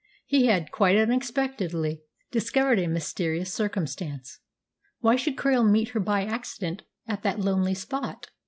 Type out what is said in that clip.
He had, quite unexpectedly, discovered a mysterious circumstance. Why should Krail meet her by accident at that lonely spot?